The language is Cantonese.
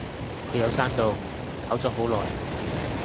佢有刪到，搞咗好耐